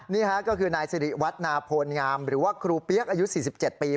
นี่ฮะก็คือนายสริวัฒน์ณโพนงามหรือว่าครูเป๊ยกอายุสี่สิบเจ็ดปี